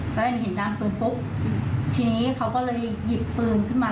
แล้วหนูเห็นดังปืนปุ๊บทีนี้เขาก็เลยหยิบปืนขึ้นมา